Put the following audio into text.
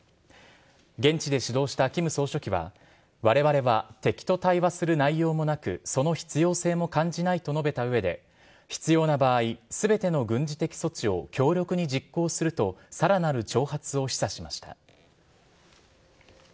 現地で指導したキム総書記は、われわれは敵と対話する内容もなく、その必要性も感じないと述べたうえで、必要な場合、すべての軍事的措置を強力に実行すると、さらなる挑発を示唆しました。